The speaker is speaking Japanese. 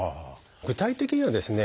具体的にはですね